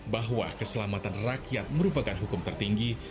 bahwa keselamatan rakyat merupakan hukum tertinggi